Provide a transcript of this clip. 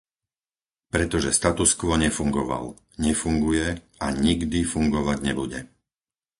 Pretože status quo nefungoval, nefunguje a nikdy fungovať nebude.